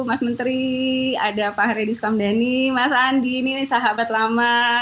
mas menteri ada pak haryadi sukamdhani mas andi ini sahabat lama